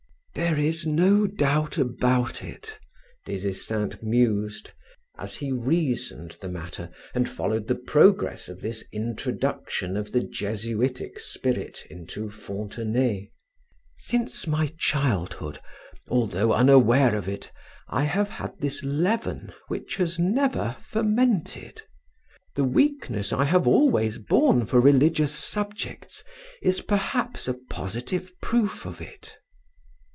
"There is no doubt about it," Des Esseintes mused, as he reasoned the matter and followed the progress of this introduction of the Jesuitic spirit into Fontenay. "Since my childhood, although unaware of it, I have had this leaven which has never fermented. The weakness I have always borne for religious subjects is perhaps a positive proof of it."